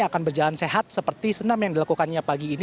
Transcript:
akan berjalan sehat seperti senam yang dilakukannya pagi ini